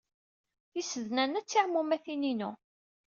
Tisednan-a d tiɛmumatin-inu.